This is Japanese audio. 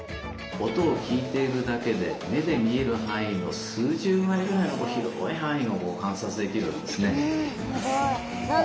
音を聞いているだけで目で見える範囲の数十倍ぐらいの広い範囲を観察できるんですね。